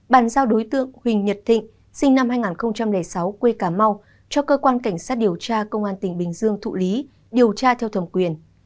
bàn giao đối tượng huỳnh nhật thịnh sinh năm hai nghìn sáu quê cà mau cho cơ quan cảnh sát điều tra công an tỉnh bình dương thụ lý điều tra theo thẩm quyền